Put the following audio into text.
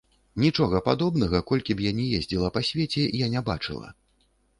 Нічога падобнага, колькі б я ні ездзіла па свеце, я не бачыла.